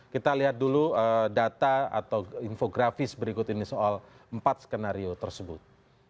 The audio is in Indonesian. kita lihat dulu data atau infografis berikut ini soal empat skenario tersebut